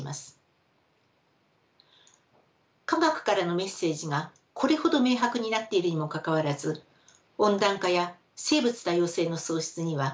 科学からのメッセージがこれほど明白になっているにもかかわらず温暖化や生物多様性の喪失には歯止めがかかりません。